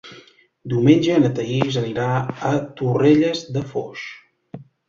Diumenge na Thaís anirà a Torrelles de Foix.